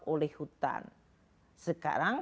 oleh hutan sekarang